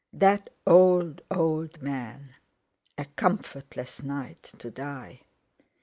That old, old man! A comfortless night—to die!